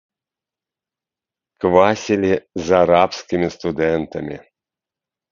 Квасілі з арабскімі студэнтамі.